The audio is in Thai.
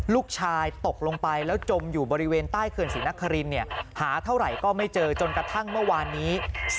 ลูกชายตกลงไปแล้วจมอยู่บริเวณใต้เขื่อนศรีนครินหาเท่าไหร่ก็ไม่เจอจนกระทั่งเมื่อวานนี้